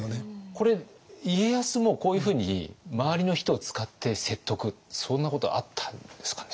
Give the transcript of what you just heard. これ家康もこういうふうに周りの人を使って説得そんなことあったんですかね？